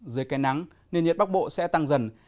dưới cây nắng nền nhiệt bắc bộ sẽ tăng dần